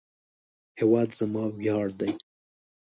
هیواد زما ویاړ دی